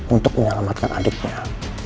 untuk menyelamatkan adiknya